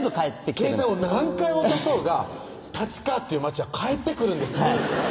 携帯を何回落とそうが立川っていう街は返ってくるんです